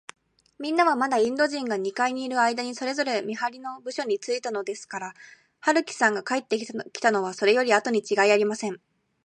みんなは、まだインド人が二階にいるあいだに、それぞれ見はりの部署についたのですから、春木さんが帰ってきたのは、それよりあとにちがいありません。